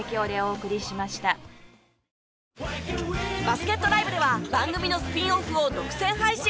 バスケットＬＩＶＥでは番組のスピンオフを独占配信。